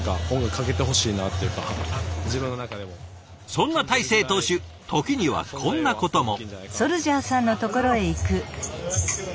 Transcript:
そんな大勢投手時にはこんなことも。